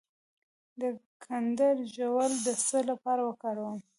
د کندر ژوول د څه لپاره وکاروم؟